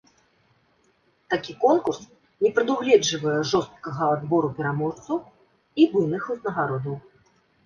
Такі конкурс не прадугледжвае жорсткага адбору пераможцаў і буйных узнагародаў.